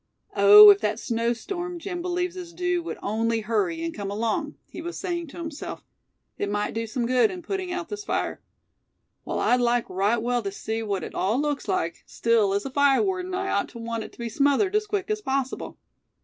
"Oh! if that snow storm Jim believes is due would only hurry, and come along," he was saying to himself, "it might do some good in putting out this fire. While I'd like right well to see what it all looks like, still, as a fire warden, I ought to want it to be smothered as quick as possible.